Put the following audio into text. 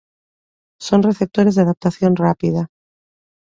Son receptores de adaptación rápida.